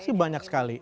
masih banyak sekali